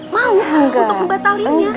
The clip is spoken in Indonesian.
mau untuk membatalinya